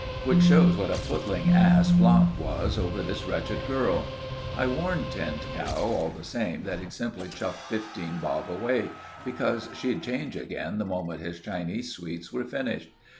Which shows what a footling ass Blount was over this wretched girl. I warned Tinned Cow, all the same, that he'd simply chucked fifteen bob away; because she'd change again the moment his Chinese sweets were finished.